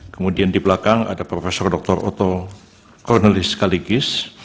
kemudian di belakang ada prof dr oto cornelis sekaligus